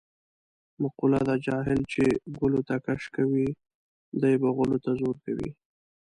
مقوله ده: جاهل چې ګلوته کش کوې دی به غولو ته زور کوي.